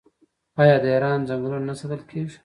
آیا د ایران ځنګلونه نه ساتل کیږي؟